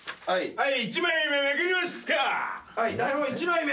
はい！